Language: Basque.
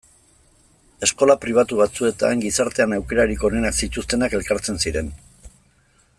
Eskola pribatu batzuetan gizartean aukerarik onenak zituztenak elkartzen ziren.